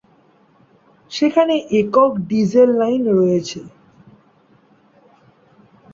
সেখানে একক diesel line রয়েছে।